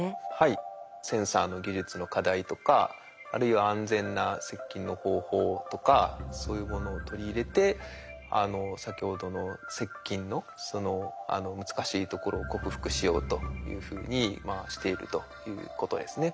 センサーの技術の課題とかあるいは安全な接近の方法とかそういうものを取り入れて先ほどの接近のあの難しいところを克服しようというふうにしているということですね。